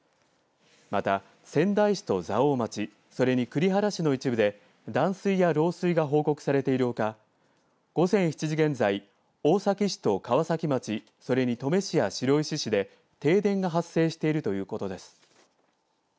また、仙台市と蔵王町、それに栗原市の一部で断水や漏水が報告されているほか午前７時現在、大崎市と川崎町、それに登米市や白石市で停電が発生しているということです。